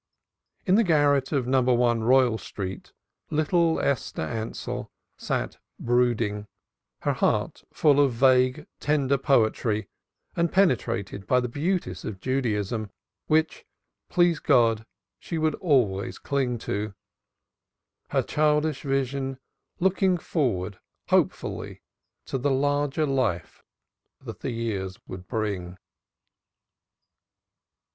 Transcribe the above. In the garret of Number 1 Royal Street little Esther Ansell sat brooding, her heart full of a vague tender poetry and penetrated by the beauties of Judaism, which, please God, she would always cling to; her childish vision looking forward hopefully to the larger life that the years would bring.